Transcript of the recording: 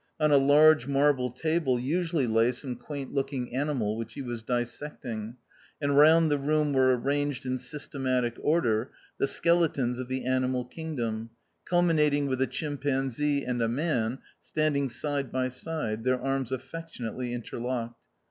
On a large marble table usually lay some quaint looking animal, which he was dissecting ; and round the room were arranged, in systematic order, the skeletons of the animal kingdom, culmi nating with a chimpanzee and a man, standing side by side, their arms affection ately interlocked.